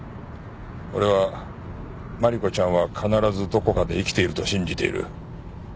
俺は真梨子ちゃんは必ずどこかで生きていると信じている。